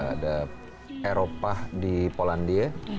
ada eropah di polandia